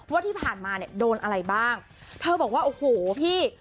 ว่าที่ผ่านมาเนี่ยโดนอะไรบ้างเธอบอกว่าโอ้โหพี่